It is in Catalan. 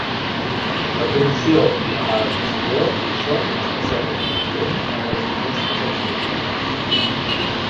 La corrupció i la mala gestió són especialment freqüents en les indústries extractives.